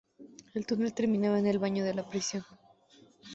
El túnel terminaba en el baño de la prisión.